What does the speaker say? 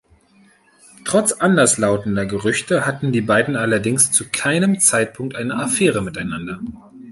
Trotz anderslautender Gerüchte hatten die beiden allerdings zu keinem Zeitpunkt eine Affäre miteinander.